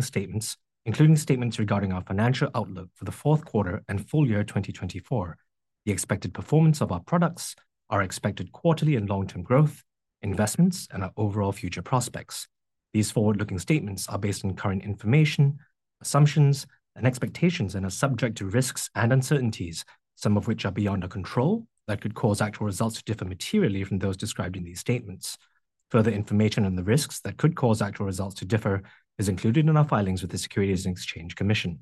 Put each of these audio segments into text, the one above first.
Statements, including statements regarding our financial outlook for the fourth quarter and full year 2024, the expected performance of our products, our expected quarterly and long-term growth, investments, and our overall future prospects. These forward-looking statements are based on current information, assumptions, and expectations and are subject to risks and uncertainties, some of which are beyond our control, that could cause actual results to differ materially from those described in these statements. Further information on the risks that could cause actual results to differ is included in our filings with the Securities and Exchange Commission.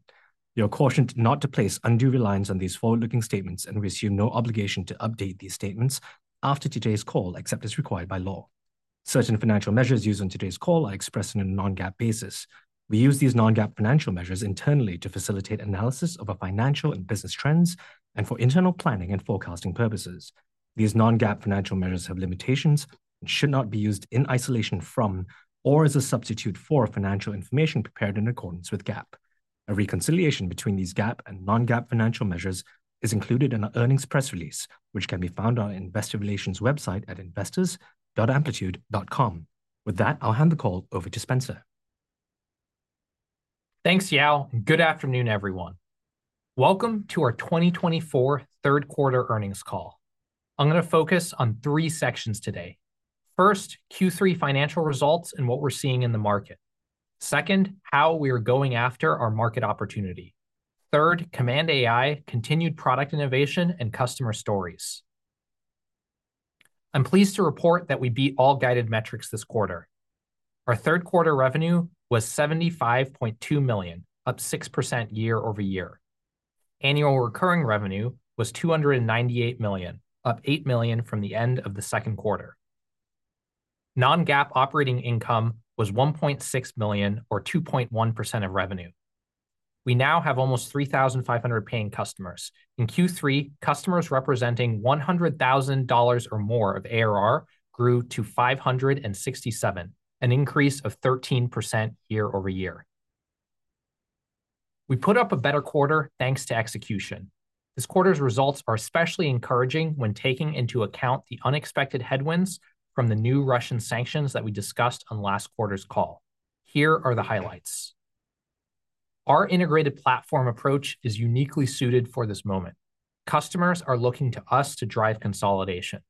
You are cautioned not to place undue reliance on these forward-looking statements and we assume no obligation to update these statements after today's call, except as required by law. Certain financial measures used on today's call are expressed on a non-GAAP basis. We use these non-GAAP financial measures internally to facilitate analysis of our financial and business trends and for internal planning and forecasting purposes. These non-GAAP financial measures have limitations and should not be used in isolation from or as a substitute for financial information prepared in accordance with GAAP. A reconciliation between these GAAP and non-GAAP financial measures is included in our earnings press release, which can be found on Investor Relations website at investors.amplitude.com. With that, I'll hand the call over to Spenser. Thanks, Yao. Good afternoon, everyone. Welcome to our 2024 third quarter earnings call. I'm going to focus on three sections today. First, Q3 financial results and what we're seeing in the market. Second, how we are going after our market opportunity. Third, Command AI, continued product innovation and customer stories. I'm pleased to report that we beat all guided metrics this quarter. Our third quarter revenue was $75.2 million, up 6% year over year. Annual recurring revenue was $298 million, up $8 million from the end of the second quarter. Non-GAAP operating income was $1.6 million, or 2.1% of revenue. We now have almost 3,500 paying customers. In Q3, customers representing $100,000 or more of ARR grew to 567, an increase of 13% year over year. We put up a better quarter thanks to execution. This quarter's results are especially encouraging when taking into account the unexpected headwinds from the new Russian sanctions that we discussed on last quarter's call. Here are the highlights. Our integrated platform approach is uniquely suited for this moment. Customers are looking to us to drive consolidation.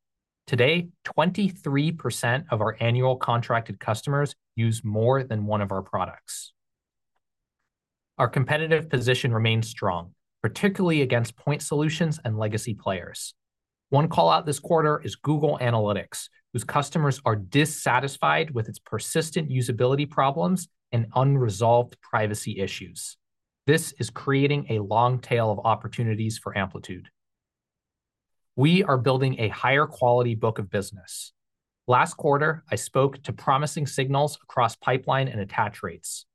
Today, 23% of our annual contracted customers use more than one of our products. Our competitive position remains strong, particularly against point solutions and legacy players. One call out this quarter is Google Analytics, whose customers are dissatisfied with its persistent usability problems and unresolved privacy issues. This is creating a long tail of opportunities for Amplitude. We are building a higher quality book of business. Last quarter, I spoke to promising signals across pipeline and attach rates.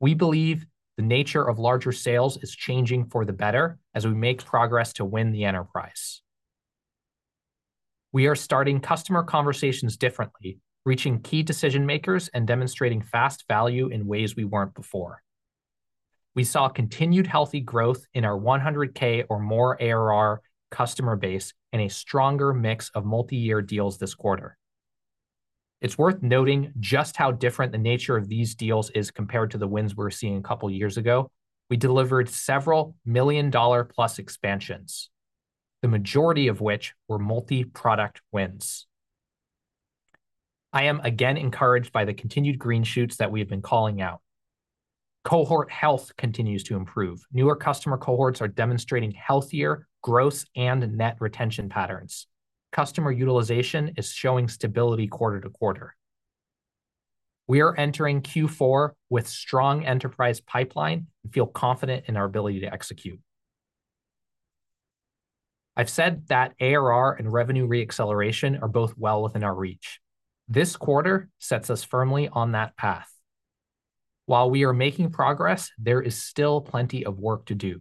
We believe the nature of larger sales is changing for the better as we make progress to win the enterprise. We are starting customer conversations differently, reaching key decision makers and demonstrating fast value in ways we weren't before. We saw continued healthy growth in our 100K or more ARR customer base and a stronger mix of multi-year deals this quarter. It's worth noting just how different the nature of these deals is compared to the wins we were seeing a couple of years ago. We delivered several million-dollar-plus expansions, the majority of which were multi-product wins. I am again encouraged by the continued green shoots that we have been calling out. Cohort health continues to improve. Newer customer cohorts are demonstrating healthier gross and net retention patterns. Customer utilization is showing stability quarter to quarter. We are entering Q4 with strong enterprise pipeline and feel confident in our ability to execute. I've said that ARR and revenue re-acceleration are both well within our reach. This quarter sets us firmly on that path. While we are making progress, there is still plenty of work to do.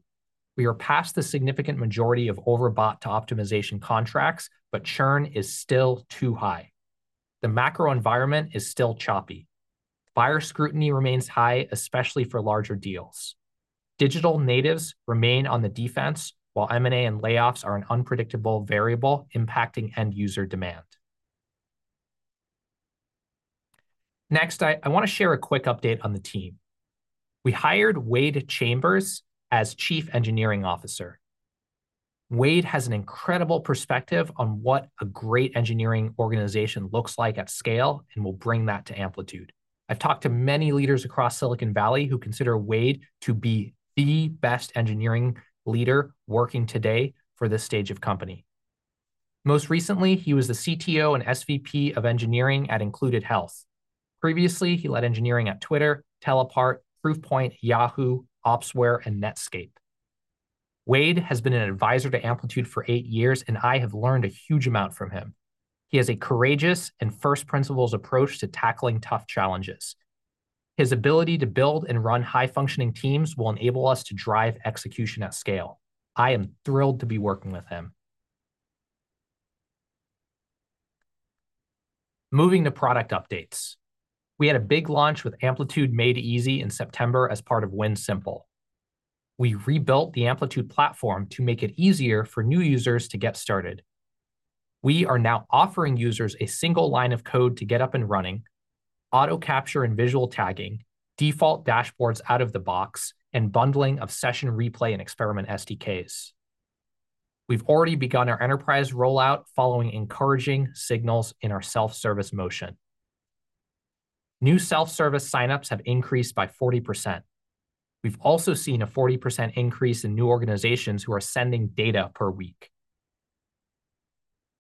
We are past the significant majority of overbought to optimization contracts, but churn is still too high. The macro environment is still choppy. Buyer scrutiny remains high, especially for larger deals. Digital natives remain on the defense, while M&A and layoffs are an unpredictable variable impacting end user demand. Next, I want to share a quick update on the team. We hired Wade Chambers as Chief Engineering Officer. Wade has an incredible perspective on what a great engineering organization looks like at scale and will bring that to Amplitude. I've talked to many leaders across Silicon Valley who consider Wade to be the best engineering leader working today for this stage of company. Most recently, he was the CTO and SVP of Engineering at Included Health. Previously, he led engineering at Twitter, TellApart, Proofpoint, Yahoo, Opsware, and Netscape. Wade has been an advisor to Amplitude for eight years, and I have learned a huge amount from him. He has a courageous and first-principles approach to tackling tough challenges. His ability to build and run high-functioning teams will enable us to drive execution at scale. I am thrilled to be working with him. Moving to product updates. We had a big launch with Amplitude Made Easy in September as part of Win Simple. We rebuilt the Amplitude platform to make it easier for new users to get started. We are now offering users a single line of code to get up and running, auto-capture and visual tagging, default dashboards out of the box, and bundling of session replay and experiment SDKs. We've already begun our enterprise rollout following encouraging signals in our self-service motion. New self-service signups have increased by 40%. We've also seen a 40% increase in new organizations who are sending data per week.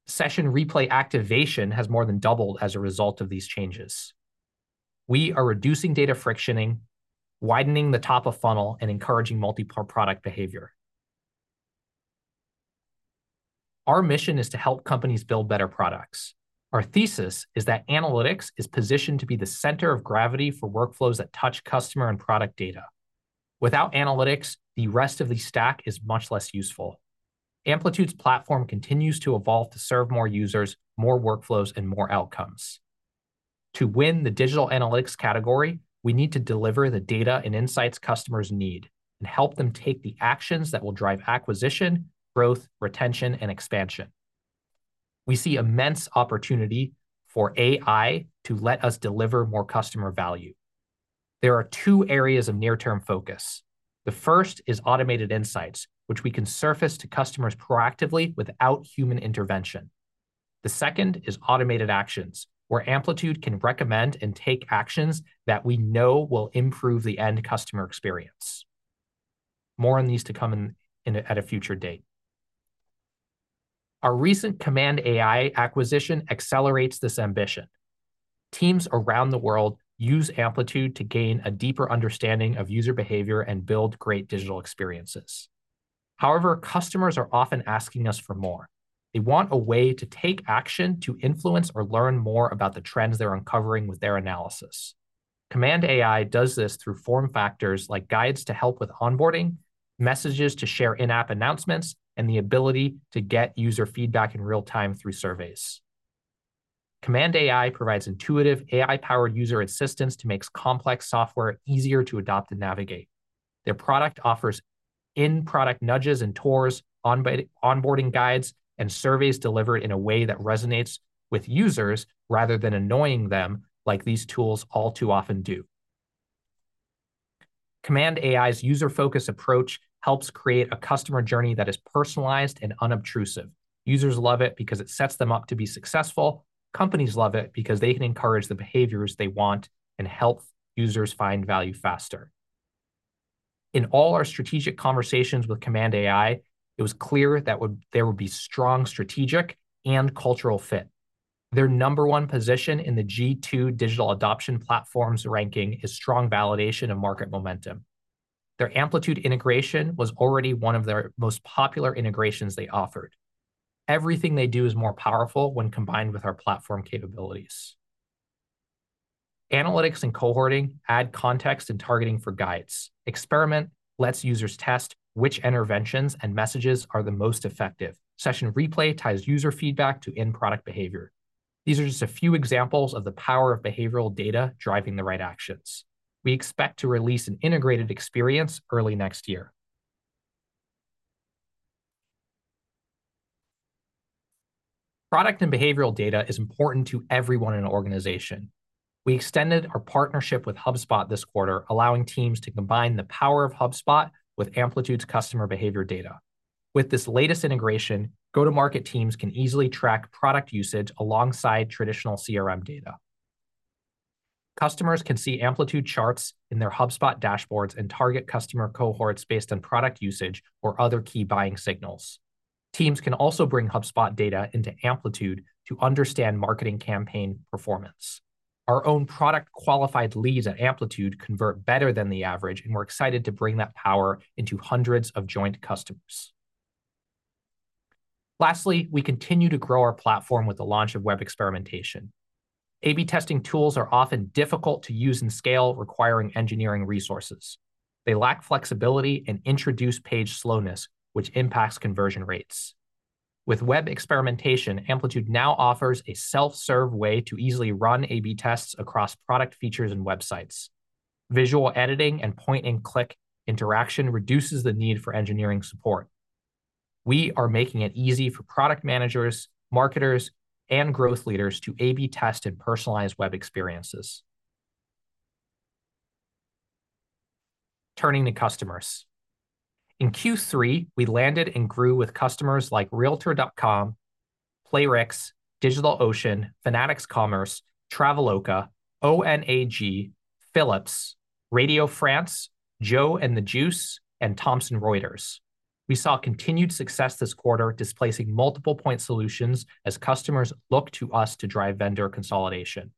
Session Replay activation has more than doubled as a result of these changes. We are reducing data friction and, widening the top of funnel, and encouraging multi-product behavior. Our mission is to help companies build better products. Our thesis is that analytics is positioned to be the center of gravity for workflows that touch customer and product data. Without analytics, the rest of the stack is much less useful. Amplitude's platform continues to evolve to serve more users, more workflows, and more outcomes. To win the digital analytics category, we need to deliver the data and insights customers need and help them take the actions that will drive acquisition, growth, retention, and expansion. We see immense opportunity for AI to let us deliver more customer value. There are two areas of near-term focus. The first is automated insights, which we can surface to customers proactively without human intervention. The second is automated actions, where Amplitude can recommend and take actions that we know will improve the end customer experience. More on these to come at a future date. Our recent Command AI acquisition accelerates this ambition. Teams around the world use Amplitude to gain a deeper understanding of user behavior and build great digital experiences. However, customers are often asking us for more. They want a way to take action to influence or learn more about the trends they're uncovering with their analysis. Command AI does this through form factors like guides to help with onboarding, messages to share in-app announcements, and the ability to get user feedback in real time through surveys. Command AI provides intuitive AI-powered user assistance to make complex software easier to adopt and navigate. Their product offers in-product nudges and tours, onboarding guides, and surveys delivered in a way that resonates with users rather than annoying them like these tools all too often do. Command AI's user-focused approach helps create a customer journey that is personalized and unobtrusive. Users love it because it sets them up to be successful. Companies love it because they can encourage the behaviors they want and help users find value faster. In all our strategic conversations with Command AI, it was clear that there would be strong strategic and cultural fit. Their number one position in the G2 digital adoption platforms ranking is strong validation of market momentum. Their Amplitude integration was already one of their most popular integrations they offered. Everything they do is more powerful when combined with our platform capabilities. Analytics and cohorting add context and targeting for guides. Experiment lets users test which interventions and messages are the most effective. Session Replay ties user feedback to in-product behavior. These are just a few examples of the power of behavioral data driving the right actions. We expect to release an integrated experience early next year. Product and behavioral data is important to everyone in an organization. We extended our partnership with HubSpot this quarter, allowing teams to combine the power of HubSpot with Amplitude's customer behavior data. With this latest integration, go-to-market teams can easily track product usage alongside traditional CRM data. Customers can see Amplitude charts in their HubSpot dashboards and target customer cohorts based on product usage or other key buying signals. Teams can also bring HubSpot data into Amplitude to understand marketing campaign performance. Our own product qualified leads at Amplitude convert better than the average, and we're excited to bring that power into hundreds of joint customers. Lastly, we continue to grow our platform with the launch of Web Experimentation. A/B testing tools are often difficult to use and scale, requiring engineering resources. They lack flexibility and introduce page slowness, which impacts conversion rates. With Web Experimentation, Amplitude now offers a self-serve way to easily run A/B tests across product features and websites. Visual editing and point-and-click interaction reduces the need for engineering support. We are making it easy for product managers, marketers, and growth leaders to A/B test and personalize web experiences. Turning to customers. In Q3, we landed and grew with customers like Realtor.com, Playrix, DigitalOcean, Fanatics Commerce, Traveloka, OAG, Philips, Radio France, Joe & The Juice, and Thomson Reuters. We saw continued success this quarter, displacing multiple point solutions as customers look to us to drive vendor consolidation.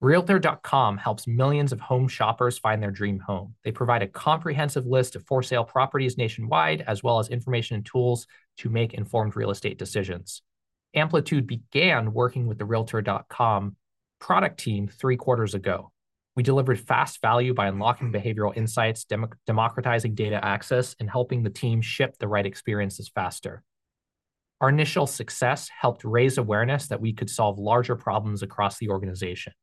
Realtor.com helps millions of home shoppers find their dream home. They provide a comprehensive list of for-sale properties nationwide, as well as information and tools to make informed real estate decisions. Amplitude began working with the Realtor.com product team three quarters ago. We delivered fast value by unlocking behavioral insights, democratizing data access, and helping the team ship the right experiences faster. Our initial success helped raise awareness that we could solve larger problems across the organization.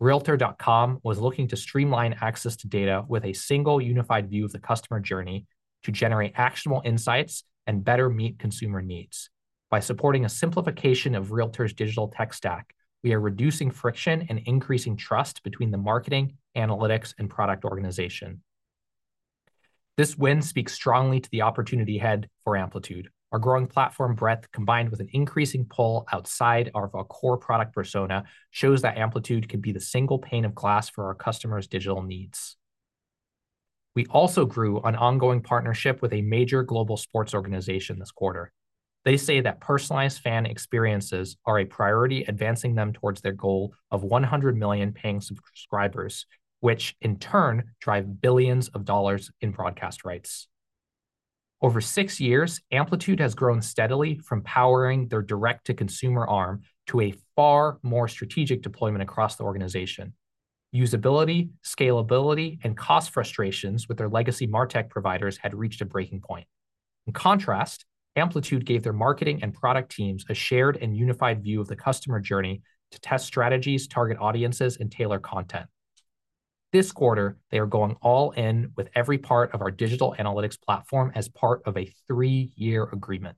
Realtor.com was looking to streamline access to data with a single unified view of the customer journey to generate actionable insights and better meet consumer needs. By supporting a simplification of Realtor's digital tech stack, we are reducing friction and increasing trust between the marketing, analytics, and product organization. This win speaks strongly to the opportunity ahead for Amplitude. Our growing platform breadth, combined with an increasing pull outside of our core product persona, shows that Amplitude can be the single pane of glass for our customers' digital needs. We also grew an ongoing partnership with a major global sports organization this quarter. They say that personalized fan experiences are a priority, advancing them towards their goal of 100 million paying subscribers, which in turn drive billions of dollars in broadcast rights. Over six years, Amplitude has grown steadily from powering their direct-to-consumer arm to a far more strategic deployment across the organization. Usability, scalability, and cost frustrations with their legacy MarTech providers had reached a breaking point. In contrast, Amplitude gave their marketing and product teams a shared and unified view of the customer journey to test strategies, target audiences, and tailor content. This quarter, they are going all in with every part of our digital analytics platform as part of a three-year agreement.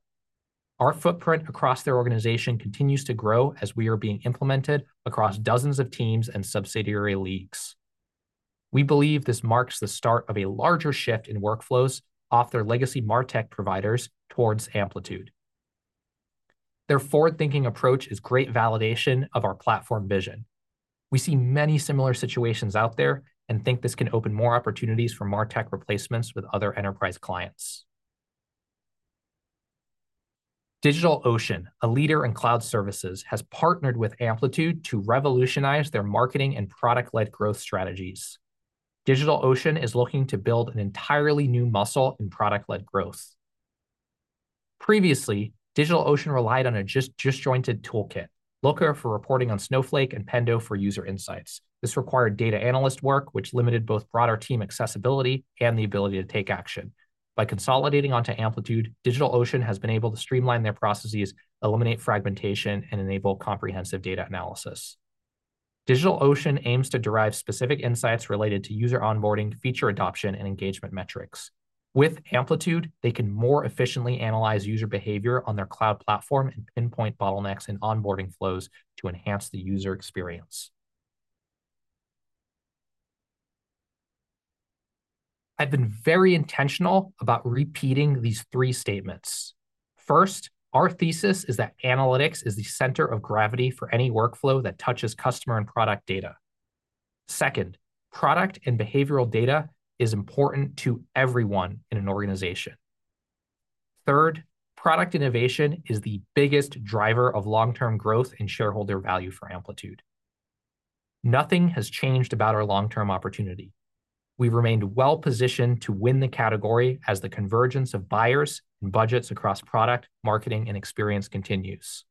Our footprint across their organization continues to grow as we are being implemented across dozens of teams and subsidiary leagues. We believe this marks the start of a larger shift in workflows off their legacy MarTech providers towards Amplitude. Their forward-thinking approach is great validation of our platform vision. We see many similar situations out there and think this can open more opportunities for MarTech replacements with other enterprise clients. DigitalOcean, a leader in cloud services, has partnered with Amplitude to revolutionize their marketing and product-led growth strategies. DigitalOcean is looking to build an entirely new muscle in product-led growth. Previously, DigitalOcean relied on a disjointed toolkit: Looker for reporting on Snowflake and Pendo for user insights. This required data analyst work, which limited both broader team accessibility and the ability to take action. By consolidating onto Amplitude, DigitalOcean has been able to streamline their processes, eliminate fragmentation, and enable comprehensive data analysis. DigitalOcean aims to derive specific insights related to user onboarding, feature adoption, and engagement metrics. With Amplitude, they can more efficiently analyze user behavior on their cloud platform and pinpoint bottlenecks in onboarding flows to enhance the user experience. I've been very intentional about repeating these three statements. First, our thesis is that analytics is the center of gravity for any workflow that touches customer and product data. Second, product and behavioral data is important to everyone in an organization. Third, product innovation is the biggest driver of long-term growth and shareholder value for Amplitude. Nothing has changed about our long-term opportunity. We've remained well-positioned to win the category as the convergence of buyers and budgets across product, marketing, and experience continues.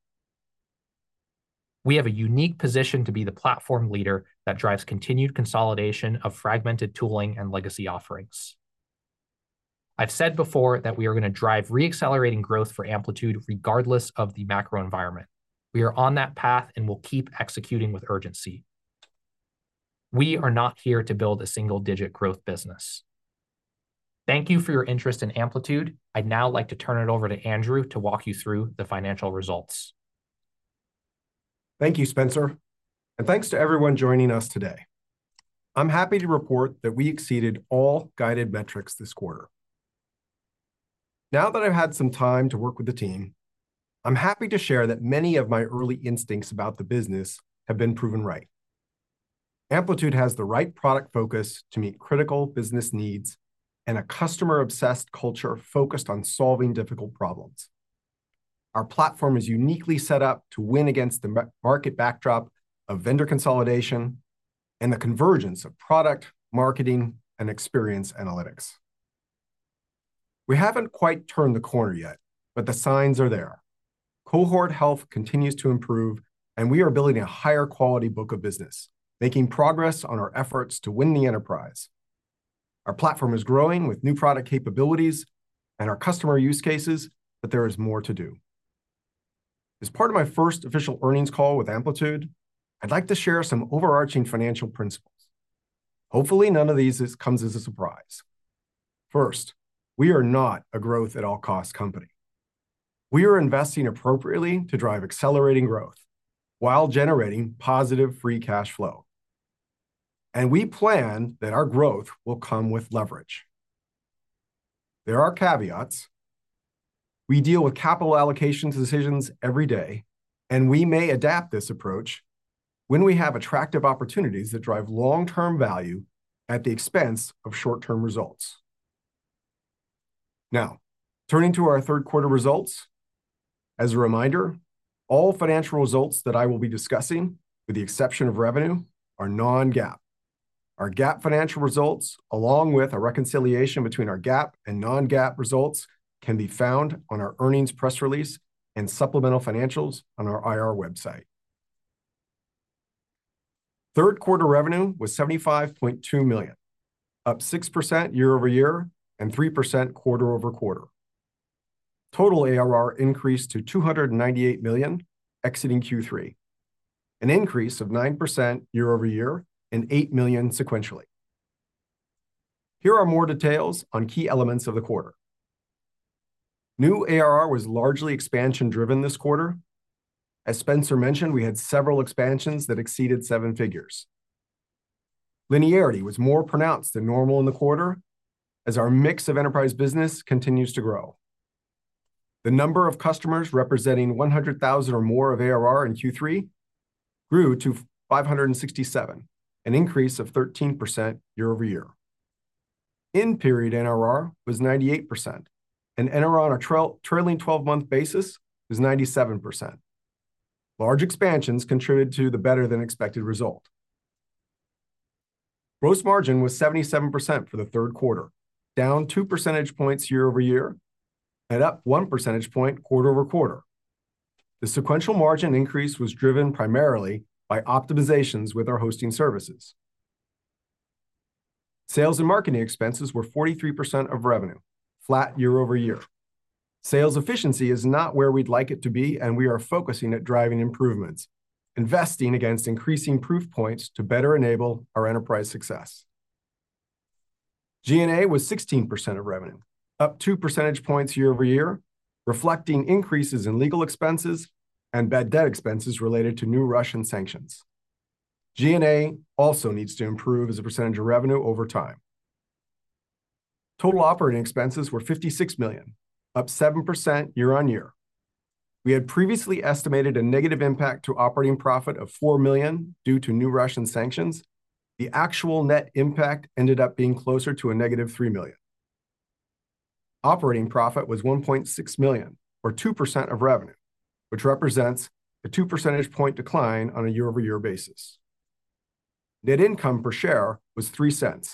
We have a unique position to be the platform leader that drives continued consolidation of fragmented tooling and legacy offerings. I've said before that we are going to drive re-accelerating growth for Amplitude regardless of the macro environment. We are on that path and will keep executing with urgency. We are not here to build a single-digit growth business. Thank you for your interest in Amplitude. I'd now like to turn it over to Andrew to walk you through the financial results. Thank you, Spenser. And thanks to everyone joining us today. I'm happy to report that we exceeded all guided metrics this quarter. Now that I've had some time to work with the team, I'm happy to share that many of my early instincts about the business have been proven right. Amplitude has the right product focus to meet critical business needs and a customer-obsessed culture focused on solving difficult problems. Our platform is uniquely set up to win against the market backdrop of vendor consolidation and the convergence of product, marketing, and experience analytics. We haven't quite turned the corner yet, but the signs are there. Cohort health continues to improve, and we are building a higher quality book of business, making progress on our efforts to win the enterprise. Our platform is growing with new product capabilities and our customer use cases, but there is more to do. As part of my first official earnings call with Amplitude, I'd like to share some overarching financial principles. Hopefully, none of these comes as a surprise. First, we are not a growth-at-all-cost company. We are investing appropriately to drive accelerating growth while generating positive free cash flow, and we plan that our growth will come with leverage. There are caveats. We deal with capital allocation decisions every day, and we may adapt this approach when we have attractive opportunities that drive long-term value at the expense of short-term results. Now, turning to our third quarter results, as a reminder, all financial results that I will be discussing, with the exception of revenue, are non-GAAP. Our GAAP financial results, along with a reconciliation between our GAAP and non-GAAP results, can be found on our earnings press release and supplemental financials on our IR website. Third quarter revenue was $75.2 million, up 6% year over year and 3% quarter over quarter. Total ARR increased to $298 million exiting Q3, an increase of 9% year over year and $8 million sequentially. Here are more details on key elements of the quarter. New ARR was largely expansion-driven this quarter. As Spenser mentioned, we had several expansions that exceeded seven figures. Linearity was more pronounced than normal in the quarter as our mix of enterprise business continues to grow. The number of customers representing $100,000 or more of ARR in Q3 grew to 567, an increase of 13% year over year. End-period NRR was 98%, and NRR on a trailing 12-month basis was 97%. Large expansions contributed to the better-than-expected result. Gross margin was 77% for the third quarter, down 2 percentage points year over year and up 1 percentage point quarter over quarter. The sequential margin increase was driven primarily by optimizations with our hosting services. Sales and marketing expenses were 43% of revenue, flat year over year. Sales efficiency is not where we'd like it to be, and we are focusing at driving improvements, investing against increasing proof points to better enable our enterprise success. G&A was 16% of revenue, up 2 percentage points year over year, reflecting increases in legal expenses and bad-debt expenses related to new Russian sanctions. G&A also needs to improve as a percentage of revenue over time. Total operating expenses were $56 million, up 7% year on year. We had previously estimated a negative impact to operating profit of $4 million due to new Russian sanctions. The actual net impact ended up being closer to a negative $3 million. Operating profit was $1.6 million, or 2% of revenue, which represents a 2 percentage point decline on a year-over-year basis. Net income per share was $0.03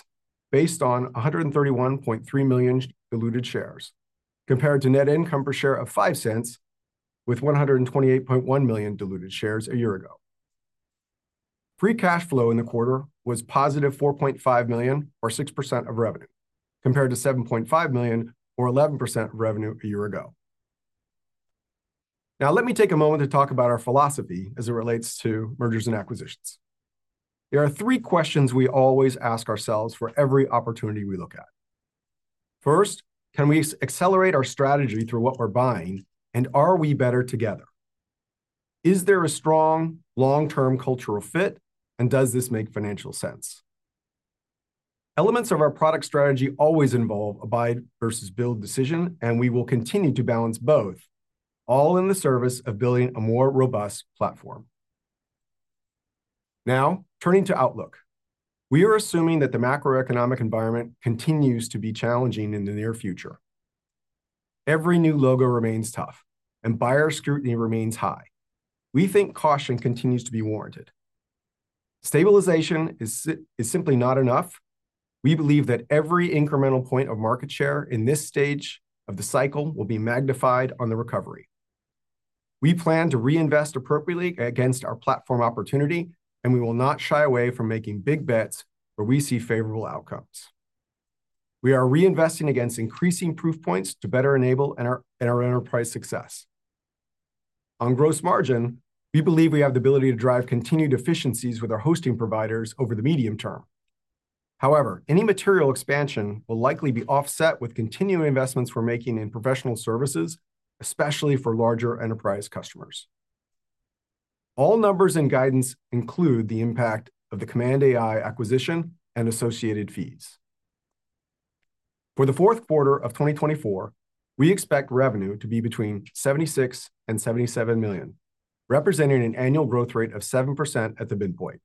based on 131.3 million diluted shares, compared to net income per share of $0.05 with 128.1 million diluted shares a year ago. Free cash flow in the quarter was positive $4.5 million, or 6% of revenue, compared to $7.5 million, or 11% of revenue a year ago. Now, let me take a moment to talk about our philosophy as it relates to mergers and acquisitions. There are three questions we always ask ourselves for every opportunity we look at. First, can we accelerate our strategy through what we're buying, and are we better together? Is there a strong long-term cultural fit, and does this make financial sense? Elements of our product strategy always involve a buy versus build decision, and we will continue to balance both, all in the service of building a more robust platform. Now, turning to Outlook, we are assuming that the macroeconomic environment continues to be challenging in the near future. Every new logo remains tough, and buyer scrutiny remains high. We think caution continues to be warranted. Stabilization is simply not enough. We believe that every incremental point of market share in this stage of the cycle will be magnified on the recovery. We plan to reinvest appropriately against our platform opportunity, and we will not shy away from making big bets where we see favorable outcomes. We are reinvesting against increasing proof points to better enable our enterprise success. On gross margin, we believe we have the ability to drive continued efficiencies with our hosting providers over the medium term. However, any material expansion will likely be offset with continuing investments we're making in professional services, especially for larger enterprise customers. All numbers and guidance include the impact of the Command AI acquisition and associated fees. For the fourth quarter of 2024, we expect revenue to be between $76 million and $77 million, representing an annual growth rate of 7% at the midpoint.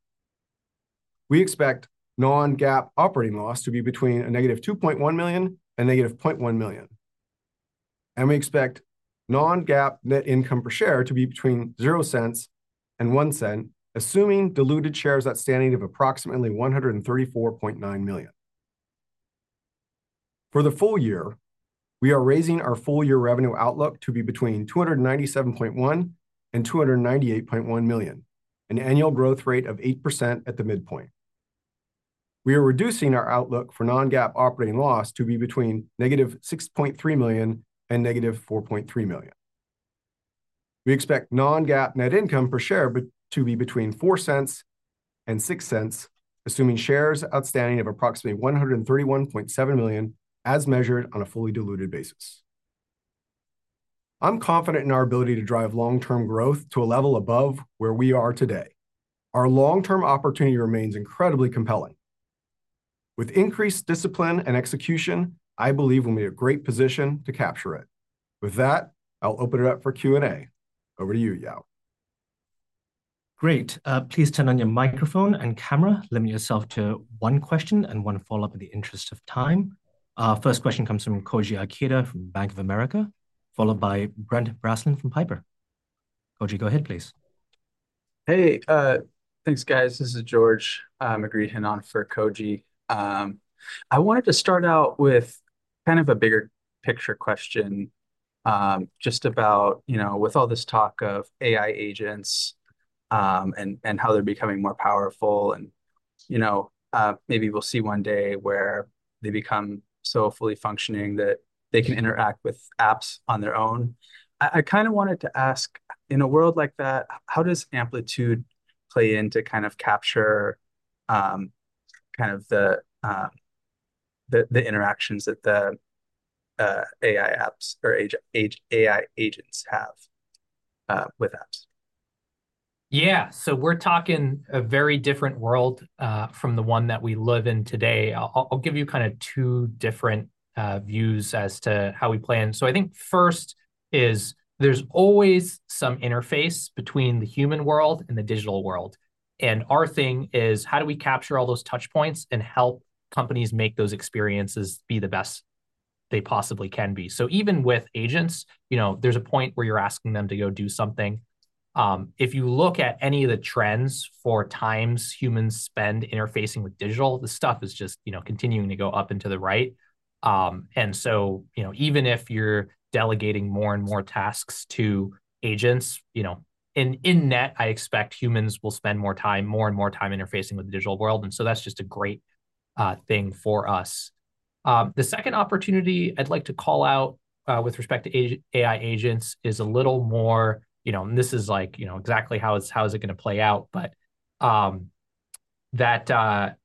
We expect non-GAAP operating loss to be between a negative $2.1 million and a negative $0.1 million. And we expect non-GAAP net income per share to be between $0.00 and $0.01, assuming diluted shares outstanding of approximately 134.9 million. For the full year, we are raising our full-year revenue outlook to be between $297.1 million and $298.1 million, an annual growth rate of 8% at the midpoint. We are reducing our outlook for non-GAAP operating loss to be between negative $6.3 million and negative $4.3 million. We expect non-GAAP net income per share to be between $0.04 and $0.06, assuming shares outstanding of approximately 131.7 million as measured on a fully diluted basis. I'm confident in our ability to drive long-term growth to a level above where we are today. Our long-term opportunity remains incredibly compelling. With increased discipline and execution, I believe we'll be in a great position to capture it. With that, I'll open it up for Q&A. Over to you, Yao. Great. Please turn on your microphone and camera. Limit yourself to one question and one follow-up in the interest of time. First question comes from Koji Ikeda from Bank of America, followed by Brent Bracelin from Piper. Koji, go ahead, please. Hey, thanks, guys. This is George Kurosawa for Koji. I wanted to start out with kind of a bigger picture question just about, you know, with all this talk of AI agents and how they're becoming more powerful, and you know, maybe we'll see one day where they become so fully functioning that they can interact with apps on their own. I kind of wanted to ask, in a world like that, how does Amplitude play into kind of capturing kind of the interactions that the AI apps or AI agents have with apps? Yeah, so we're talking a very different world from the one that we live in today. I'll give you kind of two different views as to how we plan, so I think first is there's always some interface between the human world and the digital world. And our thing is, how do we capture all those touch points and help companies make those experiences be the best they possibly can be? So even with agents, you know, there's a point where you're asking them to go do something. If you look at any of the trends for times humans spend interfacing with digital, this stuff is just, you know, continuing to go up and to the right. And so, you know, even if you're delegating more and more tasks to agents, you know, in net, I expect humans will spend more time, more and more time interfacing with the digital world. And so that's just a great thing for us. The second opportunity I'd like to call out with respect to AI agents is a little more, you know, and this is like, you know, exactly how is it going to play out, but that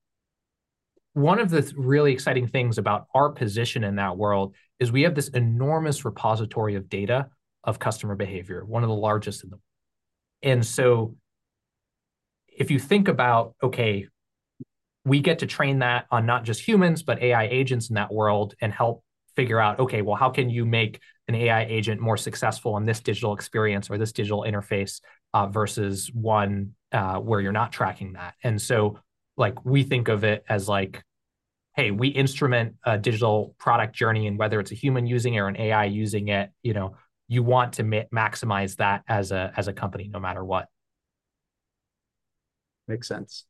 one of the really exciting things about our position in that world is we have this enormous repository of data of customer behavior, one of the largest in the world, and so if you think about, okay, we get to train that on not just humans, but AI agents in that world and help figure out, okay, well, how can you make an AI agent more successful in this digital experience or this digital interface versus one where you're not tracking that? And so, like, we think of it as like, hey, we instrument a digital product journey, and whether it's a human using it or an AI using it, you know, you want to maximize that as a company no matter what. Makes sense.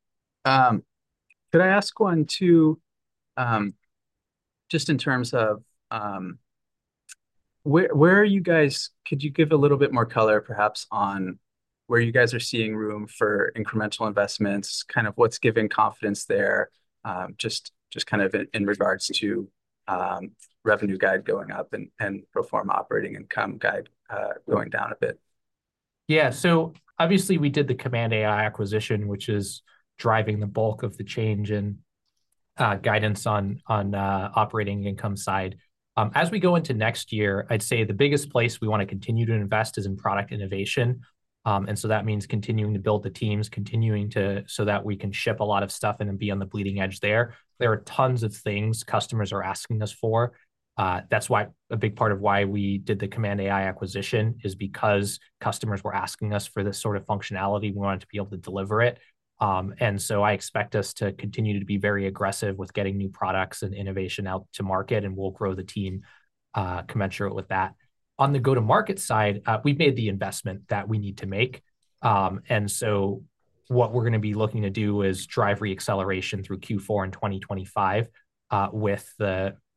Could I ask one too, just in terms of where are you guys? Could you give a little bit more color, perhaps, on where you guys are seeing room for incremental investments, kind of what's given confidence there, just kind of in regards to revenue guide going up and pro forma operating income guide going down a bit? Yeah, so obviously we did the Command AI acquisition, which is driving the bulk of the change in guidance on operating income side. As we go into next year, I'd say the biggest place we want to continue to invest is in product innovation. And so that means continuing to build the teams, continuing to, so that we can ship a lot of stuff and be on the bleeding edge there. There are tons of things customers are asking us for. That's why a big part of why we did the Command AI acquisition is because customers were asking us for this sort of functionality. We wanted to be able to deliver it. And so I expect us to continue to be very aggressive with getting new products and innovation out to market, and we'll grow the team commensurate with that. On the go-to-market side, we've made the investment that we need to make. And so what we're going to be looking to do is drive re-acceleration through Q4 in 2025 with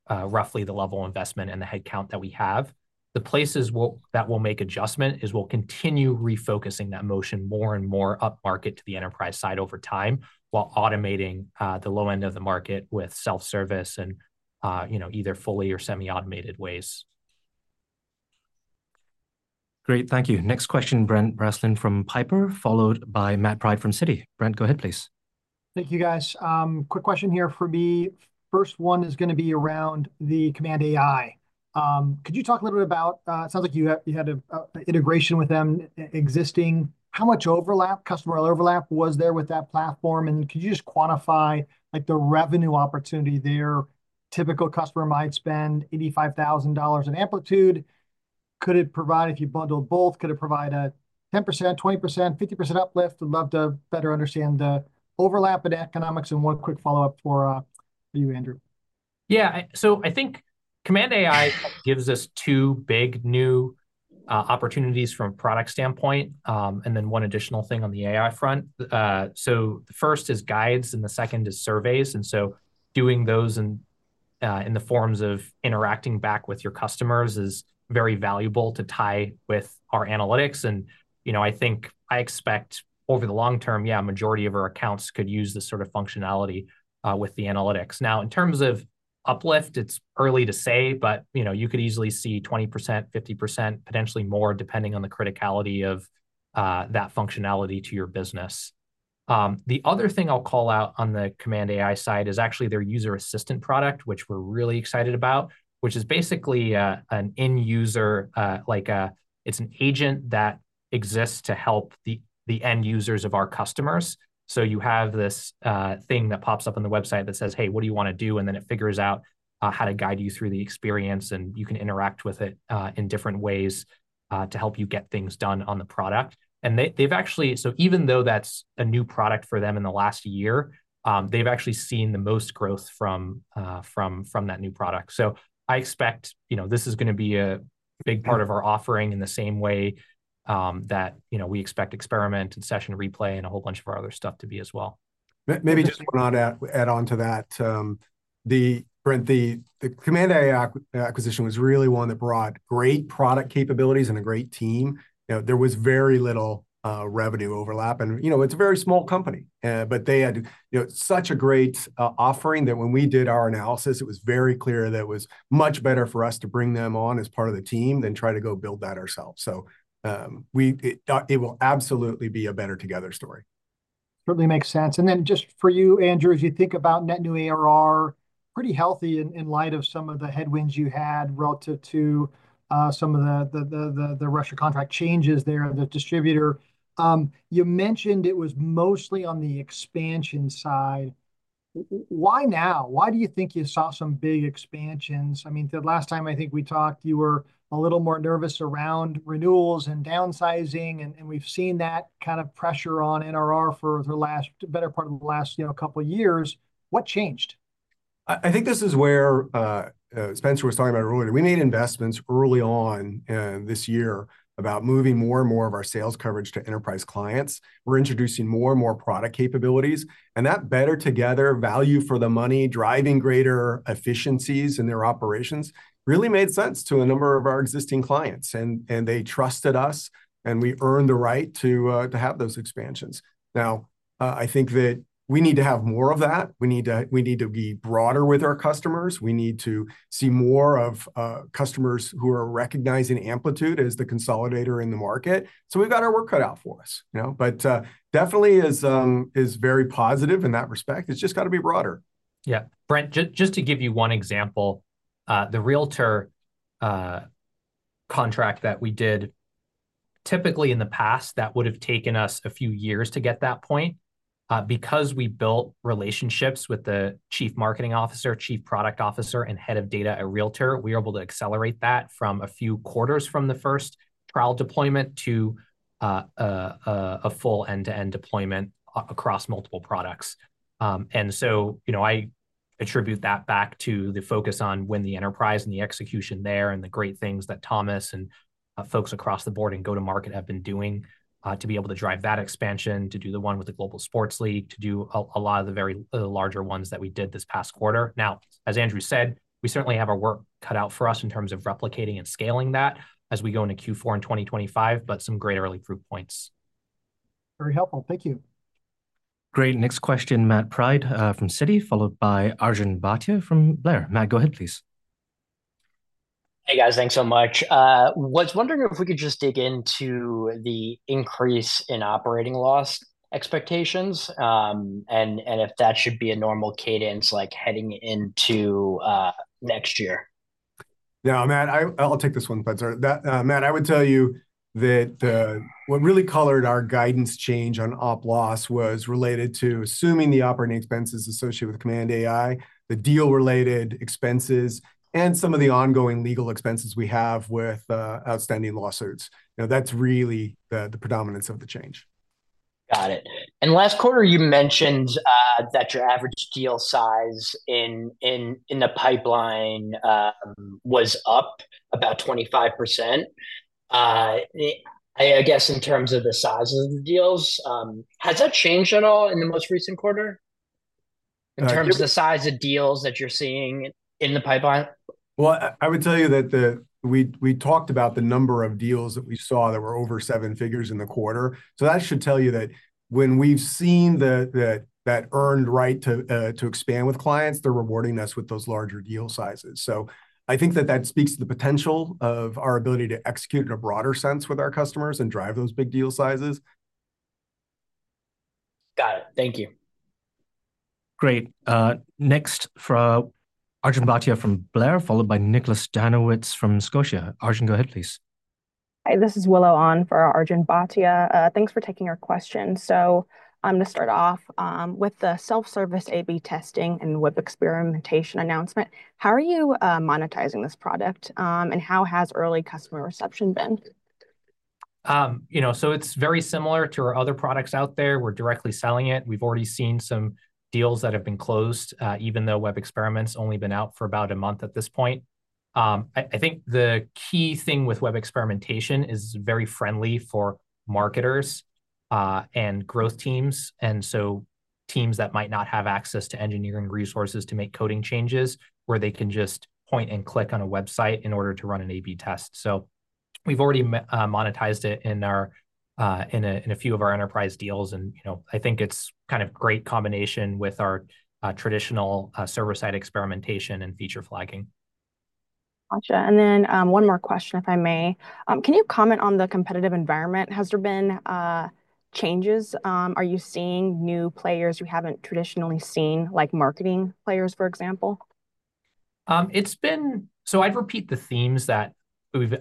roughly the level of investment and the headcount that we have. The places that we'll make adjustment is we'll continue refocusing that motion more and more up market to the enterprise side over time while automating the low end of the market with self-service and, you know, either fully or semi-automated ways. Great, thank you. Next question, Brent Bracelin from Piper Sandler, followed by Matt Pryde from Citi. Brent, go ahead, please. Thank you, guys. Quick question here for me. First one is going to be around the Command AI. Could you talk a little bit about, it sounds like you had an integration with them existing. How much overlap, customer overlap was there with that platform? And could you just quantify the revenue opportunity there? Typical customer might spend $85,000 in Amplitude. Could it provide, if you bundled both, could it provide a 10%, 20%, 50% uplift? Would love to better understand the overlap in economics. And one quick follow-up for you, Andrew. Yeah, so I think Command AI gives us two big new opportunities from a product standpoint. And then one additional thing on the AI front. So the first is guides and the second is surveys. And so doing those in the forms of interacting back with your customers is very valuable to tie with our analytics. And, you know, I think I expect over the long term, yeah, a majority of our accounts could use this sort of functionality with the analytics. Now, in terms of uplift, it's early to say, but, you know, you could easily see 20%, 50%, potentially more depending on the criticality of that functionality to your business. The other thing I'll call out on the Command AI side is actually their user assistant product, which we're really excited about, which is basically an end user, like it's an agent that exists to help the end users of our customers. So you have this thing that pops up on the website that says, "Hey, what do you want to do?" And then it figures out how to guide you through the experience, and you can interact with it in different ways to help you get things done on the product. And they've actually, so even though that's a new product for them in the last year, they've actually seen the most growth from that new product. So I expect, you know, this is going to be a big part of our offering in the same way that, you know, we expect Experiment and Session Replay and a whole bunch of our other stuff to be as well. Maybe just want to add on to that. Brent, the Command AI acquisition was really one that brought great product capabilities and a great team. There was very little revenue overlap. And, you know, it's a very small company, but they had such a great offering that when we did our analysis, it was very clear that it was much better for us to bring them on as part of the team than try to go build that ourselves. So it will absolutely be a better together story. Certainly makes sense. And then just for you, Andrew, as you think about net new ARR, pretty healthy in light of some of the headwinds you had relative to some of the Russia contract changes there at the distributor. You mentioned it was mostly on the expansion side. Why now? Why do you think you saw some big expansions? I mean, the last time I think we talked, you were a little more nervous around renewals and downsizing, and we've seen that kind of pressure on NRR for the better part of the last, you know, couple of years. What changed? I think this is where Spenser was talking about earlier. We made investments early on this year about moving more and more of our sales coverage to enterprise clients. We're introducing more and more product capabilities. That better together value for the money, driving greater efficiencies in their operations really made sense to a number of our existing clients. And they trusted us, and we earned the right to have those expansions. Now, I think that we need to have more of that. We need to be broader with our customers. We need to see more of customers who are recognizing Amplitude as the consolidator in the market. So we've got our work cut out for us, you know. But definitely is very positive in that respect. It's just got to be broader. Yeah. Brent, just to give you one example, the Realtor contract that we did typically in the past that would have taken us a few years to get to that point, because we built relationships with the chief marketing officer, chief product officer, and head of data at Realtor, we were able to accelerate that from a few quarters from the first trial deployment to a full end-to-end deployment across multiple products. And so, you know, I attribute that back to the focus on the enterprise and the execution there and the great things that Thomas and folks across the board and go-to-market have been doing to be able to drive that expansion, to do the one with the Global Sports League, to do a lot of the very larger ones that we did this past quarter. Now, as Andrew said, we certainly have our work cut out for us in terms of replicating and scaling that as we go into Q4 in 2025, but some great early proof points. Very helpful. Thank you. Great. Next question, Matt Pride from Citi, followed by Arjun Bhatia from Blair. Matt, go ahead, please. Hey, guys, thanks so much. I was wondering if we could just dig into the increase in operating loss expectations and if that should be a normal cadence, like heading into next year. No, Matt, I'll take this one, Spenser. Matt, I would tell you that what really colored our guidance change on op loss was related to assuming the operating expenses associated with Command AI, the deal-related expenses, and some of the ongoing legal expenses we have with outstanding lawsuits. You know, that's really the predominance of the change. Got it. And last quarter, you mentioned that your average deal size in the pipeline was up about 25%. I guess in terms of the size of the deals, has that changed at all in the most recent quarter? In terms of the size of deals that you're seeing in the pipeline? Well, I would tell you that we talked about the number of deals that we saw that were over seven figures in the quarter. So that should tell you that when we've seen that earned right to expand with clients, they're rewarding us with those larger deal sizes. So I think that that speaks to the potential of our ability to execute in a broader sense with our customers and drive those big deal sizes. Got it. Thank you. Great. Next for Arjun Bhatia from William Blair, followed by Nick Altmann from Scotiabank. Arjun, go ahead, please. Hi, this is Willow Ahn for Arjun Bhatia. Thanks for taking our question. So I'm going to start off with the self-service A/B testing and Web Experimentation announcement. How are you monetizing this product? And how has early customer reception been? You know, so it's very similar to our other products out there. We're directly selling it. We've already seen some deals that have been closed, even though Web Experiments have only been out for about a month at this point. I think the key thing with Web Experimentation is very friendly for marketers and growth teams. And so teams that might not have access to engineering resources to make coding changes where they can just point and click on a website in order to run an A/B test. So we've already monetized it in a few of our enterprise deals. And, you know, I think it's kind of a great combination with our traditional server-side experimentation and feature flagging. Gotcha. And then one more question, if I may. Can you comment on the competitive environment? Has there been changes? Are you seeing new players you haven't traditionally seen, like marketing players, for example? It's been, so I'd repeat the themes that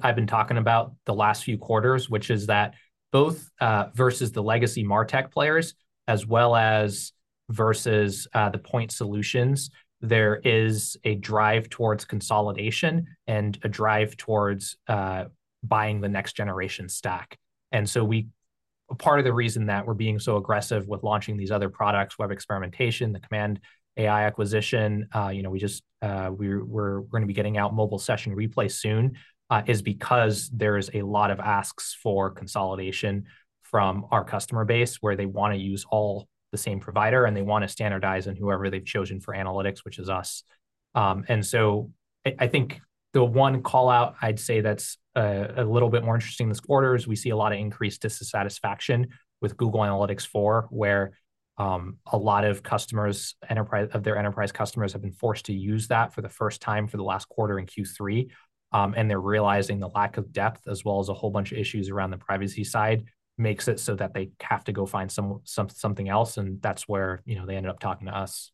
I've been talking about the last few quarters, which is that both versus the legacy MarTech players as well as versus the point solutions, there is a drive towards consolidation and a drive towards buying the next generation stack. Part of the reason that we're being so aggressive with launching these other products, Web Experimentation, the Command AI acquisition, you know, we're going to be getting out mobile Session Replay soon is because there is a lot of asks for consolidation from our customer base where they want to use all the same provider and they want to standardize on whoever they've chosen for analytics, which is us. I think the one call out I'd say that's a little bit more interesting this quarter is we see a lot of increased dissatisfaction with Google Analytics 4, where a lot of their enterprise customers have been forced to use that for the first time in the last quarter in Q3. And they're realizing the lack of depth as well as a whole bunch of issues around the privacy side makes it so that they have to go find something else. And that's where, you know, they ended up talking to us.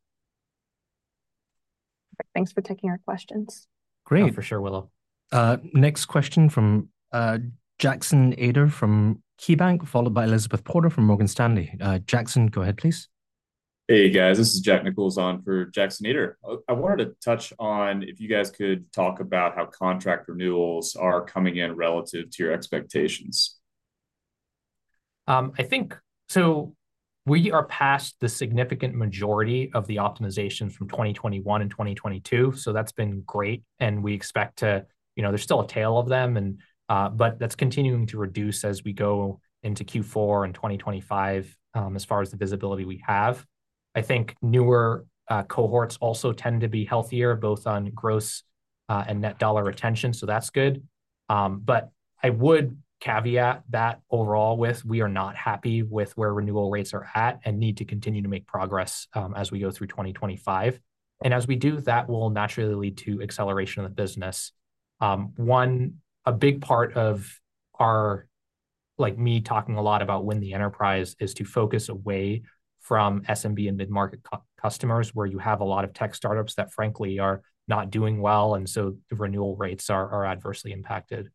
Thanks for taking our questions. Great. For sure, Willow. Next question from Jackson Ader from KeyBanc, followed by Elizabeth Porter from Morgan Stanley. Jackson, go ahead, please. Hey, guys. This is Jack Nichols on for Jackson Ader. I wanted to touch on if you guys could talk about how contract renewals are coming in relative to your expectations. I think so we are past the significant majority of the optimizations from 2021 and 2022. So that's been great. And we expect to, you know, there's still a tail of them, but that's continuing to reduce as we go into Q4 and 2025 as far as the visibility we have. I think newer cohorts also tend to be healthier, both on gross and net dollar retention, so that's good. But I would caveat that overall with we are not happy with where renewal rates are at and need to continue to make progress as we go through 2025. And as we do that, we'll naturally lead to acceleration of the business. One, a big part of our, like me talking a lot about when the enterprise is to focus away from SMB and mid-market customers where you have a lot of tech startups that, frankly, are not doing well. And so the renewal rates are adversely impacted.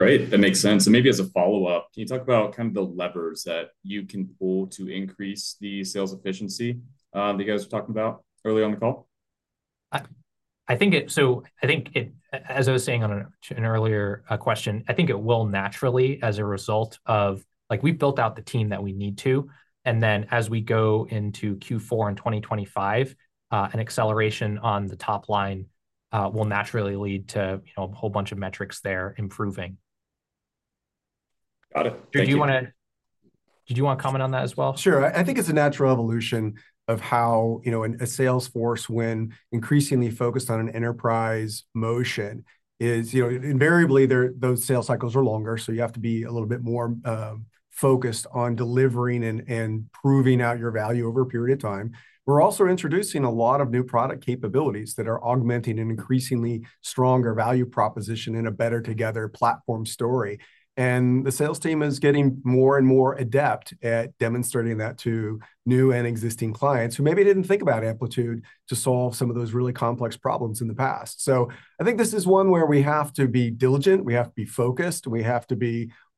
Great. That makes sense. And maybe as a follow-up, can you talk about kind of the levers that you can pull to increase the sales efficiency that you guys were talking about earlier on the call? So, as I was saying on an earlier question, I think it will naturally, as a result of, like, we've built out the team that we need to. And then as we go into Q4 in 2025, an acceleration on the top line will naturally lead to, you know, a whole bunch of metrics there improving. Got it. Did you want to comment on that as well? Sure. I think it's a natural evolution of how, you know, a sales force, when increasingly focused on an enterprise motion, is, you know, invariably those sales cycles are longer. So you have to be a little bit more focused on delivering and proving out your value over a period of time. We're also introducing a lot of new product capabilities that are augmenting an increasingly stronger value proposition in a better together platform story. The sales team is getting more and more adept at demonstrating that to new and existing clients who maybe didn't think about Amplitude to solve some of those really complex problems in the past. I think this is one where we have to be diligent. We have to be focused. We have to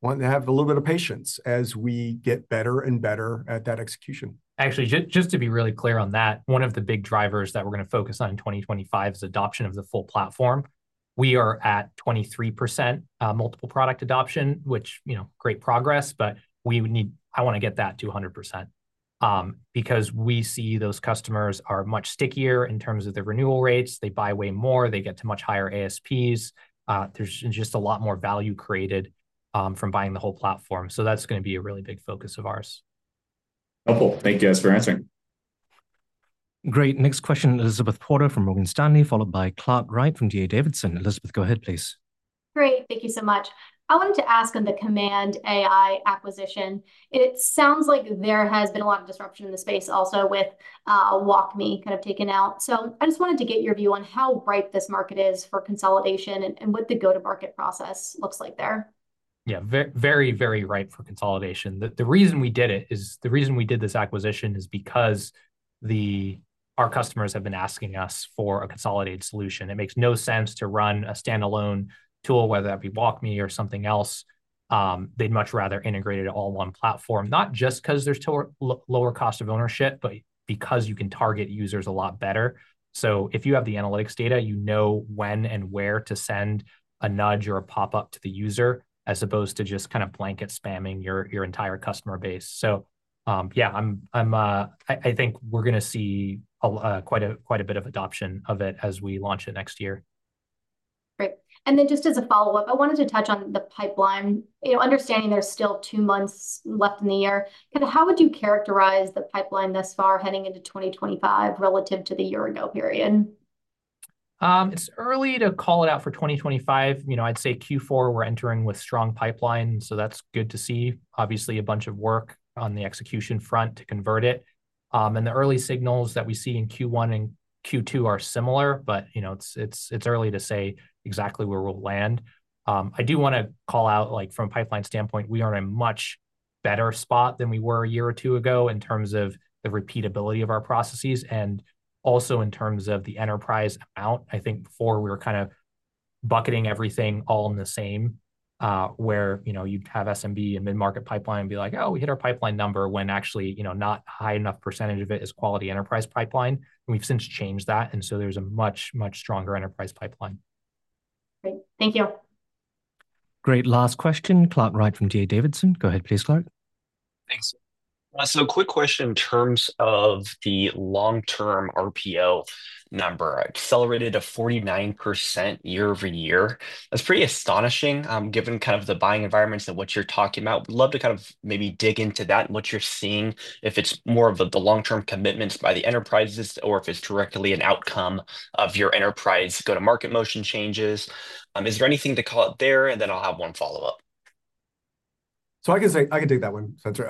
want to have a little bit of patience as we get better and better at that execution. Actually, just to be really clear on that, one of the big drivers that we're going to focus on in 2025 is adoption of the full platform. We are at 23% multiple product adoption, which, you know, great progress, but we need, I want to get that to 100% because we see those customers are much stickier in terms of their renewal rates. They buy way more. They get to much higher ASPs. There's just a lot more value created from buying the whole platform. So that's going to be a really big focus of ours. Helpful. Thank you guys for answering. Great. Next question, Elizabeth Porter from Morgan Stanley, followed by Clark Wright from D.A. Davidson. Elizabeth, go ahead, please. Great. Thank you so much. I wanted to ask on the Command AI acquisition. It sounds like there has been a lot of disruption in the space also with WalkMe kind of taken out. So I just wanted to get your view on how ripe this market is for consolidation and what the go-to-market process looks like there. Yeah, very, very ripe for consolidation. The reason we did it is the reason we did this acquisition is because our customers have been asking us for a consolidated solution. It makes no sense to run a standalone tool, whether that be WalkMe or something else. They'd much rather integrate it all one platform, not just because there's lower cost of ownership, but because you can target users a lot better. So if you have the analytics data, you know when and where to send a nudge or a pop-up to the user as opposed to just kind of blanket spamming your entire customer base. So yeah, I think we're going to see quite a bit of adoption of it as we launch it next year. Great. And then just as a follow-up, I wanted to touch on the pipeline. You know, understanding there's still two months left in the year, kind of how would you characterize the pipeline thus far heading into 2025 relative to the year-ago period? It's early to call it out for 2025. You know, I'd say Q4 we're entering with strong pipeline. So that's good to see. Obviously, a bunch of work on the execution front to convert it. And the early signals that we see in Q1 and Q2 are similar, but you know, it's early to say exactly where we'll land. I do want to call out, like from a pipeline standpoint, we are in a much better spot than we were a year or two ago in terms of the repeatability of our processes and also in terms of the enterprise amount. I think before we were kind of bucketing everything all in the same where you'd have SMB and mid-market pipeline and be like, "Oh, we hit our pipeline number when actually, you know, not a high enough percentage of it is quality enterprise pipeline." And we've since changed that. And so there's a much, much stronger enterprise pipeline. Great. Thank you. Great. Last question, Clark Wright from D.A. Davidson. Go ahead, please, Clark. Thanks. So quick question in terms of the long-term RPO number. Accelerated to 49% year over year. That's pretty astonishing given kind of the buying environments and what you're talking about. We'd love to kind of maybe dig into that and what you're seeing if it's more of the long-term commitments by the enterprises or if it's directly an outcome of your enterprise go-to-market motion changes. Is there anything to call it there? And then I'll have one follow-up. So I can take that one, Spenser.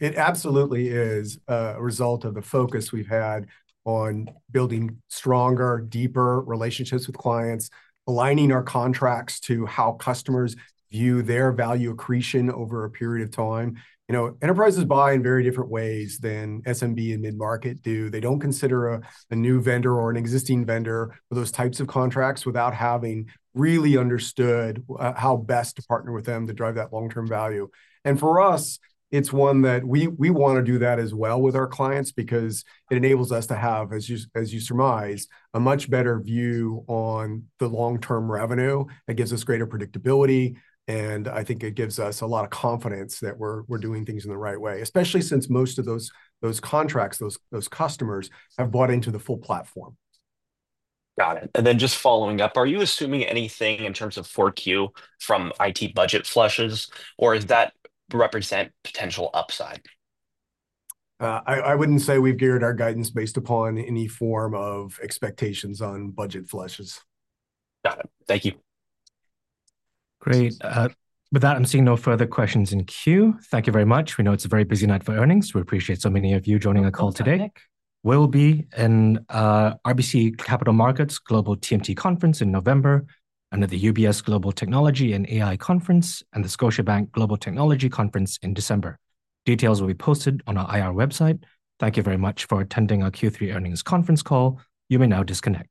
It absolutely is a result of the focus we've had on building stronger, deeper relationships with clients, aligning our contracts to how customers view their value accretion over a period of time. You know, enterprises buy in very different ways than SMB and mid-market do. They don't consider a new vendor or an existing vendor for those types of contracts without having really understood how best to partner with them to drive that long-term value. And for us, it's one that we want to do that as well with our clients because it enables us to have, as you surmised, a much better view on the long-term revenue. It gives us greater predictability. And I think it gives us a lot of confidence that we're doing things in the right way, especially since most of those contracts, those customers have bought into the full platform. Got it, and then just following up, are you assuming anything in terms of 4Q from IT budget flushes, or does that represent potential upside? I wouldn't say we've geared our guidance based upon any form of expectations on budget flushes. Got it. Thank you. Great. With that, I'm seeing no further questions in queue. Thank you very much. We know it's a very busy night for earnings. We appreciate so many of you joining the call today. We'll be in RBC Capital Markets Global TMT Conference in November and at the UBS Global Technology and AI Conference and the Scotiabank Global Technology Conference in December. Details will be posted on our IR website. Thank you very much for attending our Q3 earnings conference call. You may now disconnect.